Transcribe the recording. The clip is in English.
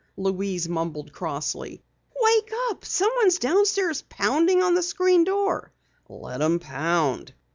Louise mumbled crossly. "Wake up! Someone's downstairs pounding on the screen door." "Let 'em pound."